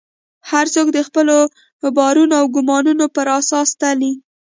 هر څوک د خپلو باورونو او ګومانونو پر اساس تلي.